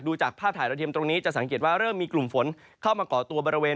จากภาพถ่ายดาวเทียมตรงนี้จะสังเกตว่าเริ่มมีกลุ่มฝนเข้ามาก่อตัวบริเวณ